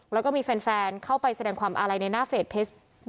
แล้วก็มีแฟนเข้าไปแสดงความอาลัยในหน้าเฟส